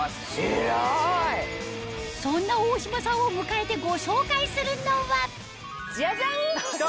そんな大島さんを迎えてご紹介するのはジャジャン！